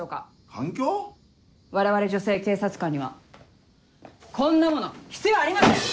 我々女性警察官にはこんなもの必要ありません！